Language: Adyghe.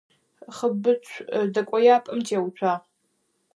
Хьэбыцу дэкӏояпӏэм теуцуагъ.